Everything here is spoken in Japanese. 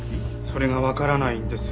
それがわからないんです。